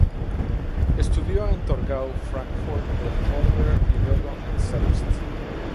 Estudió en Torgau, Fráncfort del Oder, y luego en Zerbst.